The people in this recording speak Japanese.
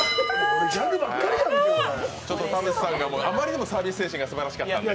ちょっと田渕さんがあまりにもサービス精神がすばらしかったので。